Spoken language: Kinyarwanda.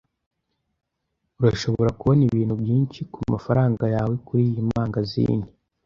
Urashobora kubona ibintu byinshi kumafaranga yawe kuriyi mangazini.